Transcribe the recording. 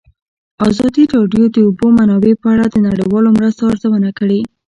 ازادي راډیو د د اوبو منابع په اړه د نړیوالو مرستو ارزونه کړې.